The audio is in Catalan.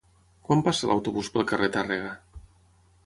Quan passa l'autobús pel carrer Tàrrega?